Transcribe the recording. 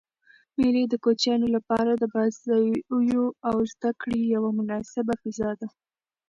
مېلې د کوچنيانو له پاره د بازيو او زدکړي یوه مناسبه فضا ده.